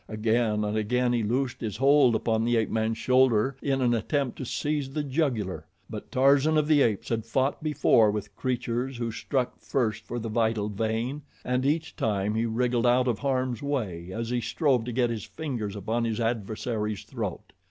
Again and again he loosed his hold upon the ape man's shoulder in an attempt to seize the jugular; but Tarzan of the Apes had fought before with creatures who struck first for the vital vein, and each time he wriggled out of harm's way as he strove to get his fingers upon his adversary's throat.